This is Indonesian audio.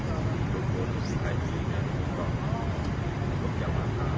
yalam lam adalah salah satu titik yang akan disuruh lagi di jemaah haji